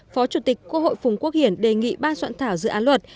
phó chủ tịch quốc hội phùng quốc hiển đề nghị ban soạn thảo dự án luật